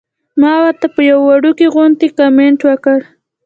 ما ورته يو وړوکے غوندې کمنټ وکړۀ -